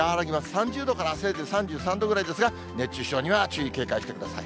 ３０度からせいぜい３３度ぐらいですが、熱中症には注意、警戒してください。